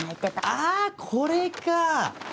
あぁこれか！